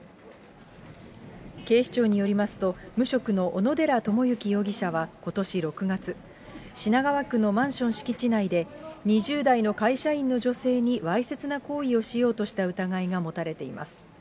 警視庁によりますと、無職の小野寺智之容疑者はことし６月、品川区のマンション敷地内で、２０代の会社員の女性にわいせつな行為をしようとした疑いが持たれています。